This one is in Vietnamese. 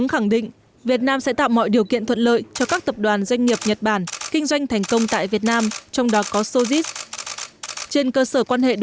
hãy nhớ like share và đăng ký kênh của chúng mình nhé